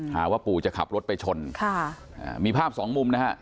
หาว่าปู่จะขับรถไปชนค่ะอ่ามีภาพสองมุมนะฮะ